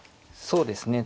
そうですね。